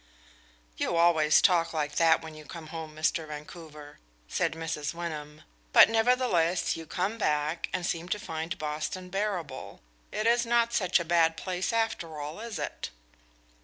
"You always talk like that when you come home, Mr. Vancouver," said Mrs. Wyndham. "But nevertheless you come back and seem to find Boston bearable. It is not such a bad place after all, is it?"